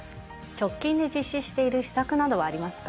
直近で実施している施策などはありますか？